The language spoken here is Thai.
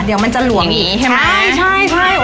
เดี๋ยวมันจะหลวงใช่